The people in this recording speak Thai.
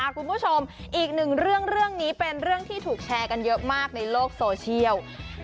คุณผู้ชมอีกหนึ่งเรื่องเรื่องนี้เป็นเรื่องที่ถูกแชร์กันเยอะมากในโลกโซเชียล